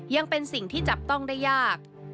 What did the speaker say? ยังเป็นสิ่งที่จับต้องได้ยาก